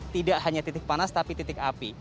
tidak hanya titik panas tapi titik api